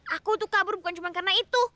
aku tuh kabur bukan cuma karena itu